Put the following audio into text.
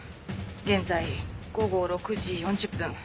現在午後６時４０分。